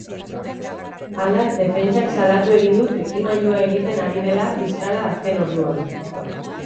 Hala, defentsak salatu egin du trikimailua egiten ari dela fiskala azken orduan.